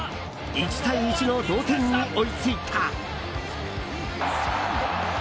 １対１の同点に追いついた。